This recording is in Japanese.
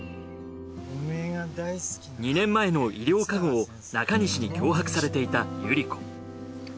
２年前の医療過誤を中西に脅迫されていたゆり子。